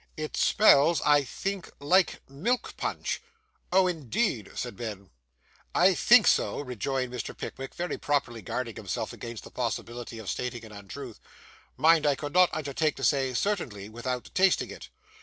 'It smells, I think, like milk punch.' Oh, indeed?' said Ben. 'I _think _so,' rejoined Mr. Pickwick, very properly guarding himself against the possibility of stating an untruth; 'mind, I could not undertake to say certainly, without tasting it.